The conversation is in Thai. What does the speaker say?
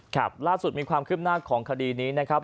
ครับล่าสุดมีความคืบหน้าของคดีนี้นะครับ